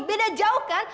beda jauh kan